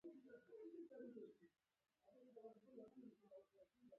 خو د تېرې لانجې وروسته ډېر تاوسر شوی.